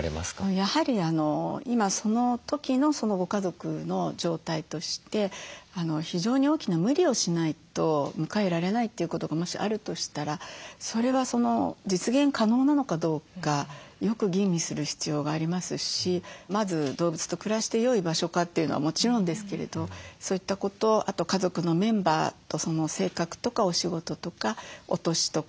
やはり今その時のご家族の状態として非常に大きな無理をしないと迎えられないということがもしあるとしたらそれは実現可能なのかどうかよく吟味する必要がありますしまず動物と暮らしてよい場所かというのはもちろんですけれどそういったことあと家族のメンバーとその性格とかお仕事とかお年とか。